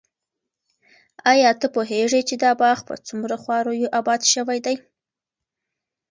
ایا ته پوهېږې چې دا باغ په څومره خواریو اباد شوی دی؟